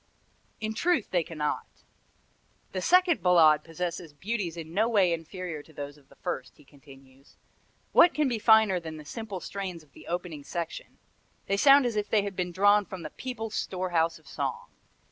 In truth they cannot. "The second Ballade possesses beauties in no way inferior to those of the first," he continues. "What can be finer than the simple strains of the opening section! They sound as if they had been drawn from the people's store house of song.